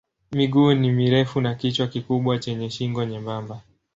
Miguu ni mirefu na kichwa kikubwa chenye shingo nyembamba.